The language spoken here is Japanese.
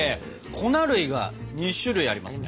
粉類が２種類ありますね。